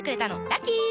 ラッキー！